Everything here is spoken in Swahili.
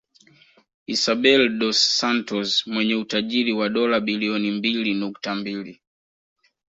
Isabel dos Santos mwenye utajiri wa dola bilioni mbili nukta mbili